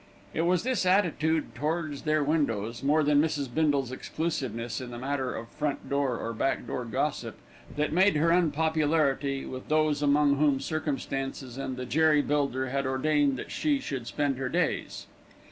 It was this attitude towards their windows, more than Mrs. Bindle's exclusiveness in the matter of front door, or back door gossip, that made for her unpopularity with those among whom circumstances and the jerry builder had ordained that she should spend her days.